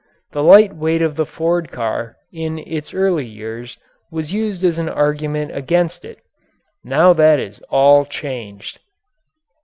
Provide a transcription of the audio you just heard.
The light weight of the Ford car in its early years was used as an argument against it. Now that is all changed.